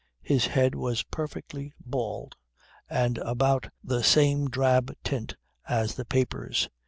His head was perfectly bald and about the same drab tint as the papers.